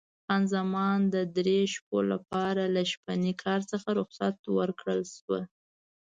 خان زمان د درې شپو لپاره له شپني کار څخه رخصت ورکړل شوه.